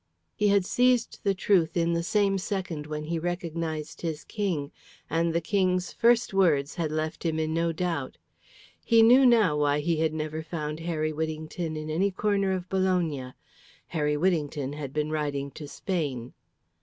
He had seized the truth in the same second when he recognised his King, and the King's first words had left him in no doubt. He knew now why he had never found Harry Whittington in any corner of Bologna. Harry Whittington had been riding to Spain.